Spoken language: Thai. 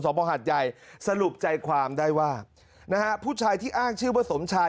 พระหัดใหญ่สรุปใจความได้ว่านะฮะผู้ชายที่อ้างชื่อว่าสมชาย